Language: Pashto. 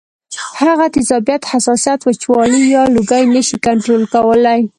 هغه تیزابیت ، حساسیت ، وچوالی یا لوګی نشي کنټرول کولی